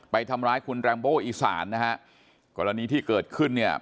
ไปทำร้ายคุณแรมโบอีสานนะฮะกรณีที่เกิดขึ้นเนี่ย